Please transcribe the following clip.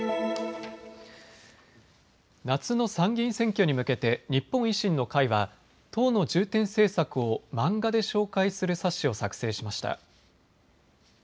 夏の参議院選挙に向けて日本維新の会は党の重点政策を漫画で紹介する冊子を作成しました。